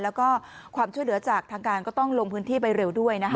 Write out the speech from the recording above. แล้วก็ความช่วยเหลือจากทางการก็ต้องลงพื้นที่ไปเร็วด้วยนะคะ